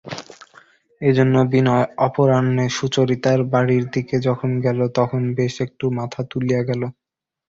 এইজন্য বিনয় অপরাহ্নে সুচরিতার বাড়ির দিকে যখন গেল তখন বেশ একটু মাথা তুলিয়া গেল।